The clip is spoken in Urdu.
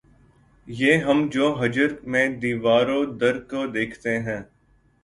یہ ہم جو ہجر میں دیوار و در کو دیکھتے ہیں